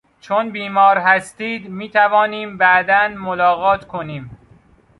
چون بیمار هستید میتوانیم بعدا ملاقات کنیم.